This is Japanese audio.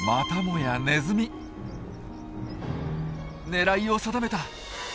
狙いを定めた！